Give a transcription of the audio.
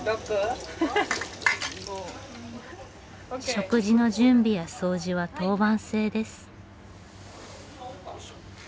食事の準備や掃除は当番制です。